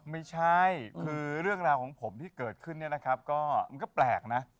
ไม่ใช่คือเรื่องราวของผมที่เกิดขึ้นเนี่ยนะครับก็มันก็แปลกนะ